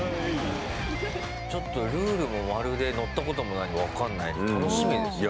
ちょっと、ルールもまるで乗ったこともないんで分かんないんで、楽しみですね。